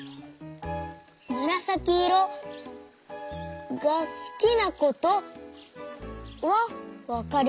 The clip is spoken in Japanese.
むらさきいろがすきなことはわかりました。